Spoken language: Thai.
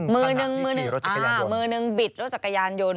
มือหนึ่งมือหนึ่งบิดรถจักรยานยนต์